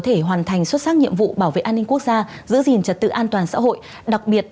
thể hoàn thành xuất sắc nhiệm vụ bảo vệ an ninh quốc gia giữ gìn trật tự an toàn xã hội đặc biệt